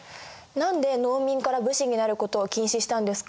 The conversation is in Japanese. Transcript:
何で農民から武士になることを禁止したんですか？